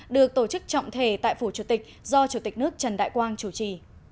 được tổ chức trọng thể tại phủ chủ tịch do chủ tịch nước trần đại quang chủ trì